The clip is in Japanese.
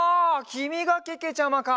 きみがけけちゃまか。